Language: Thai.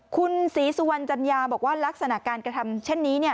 คุณศรีสุวรรณจัญญาบอกว่าลักษณะการกระทำเช่นนี้